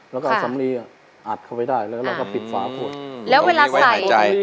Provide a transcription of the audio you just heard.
แล้วก็เอาสำลีอ่ะอัดเข้าไปได้แล้วก็เราก็ปิดฟ้าฝ่วงอืมแล้วเวลาใส่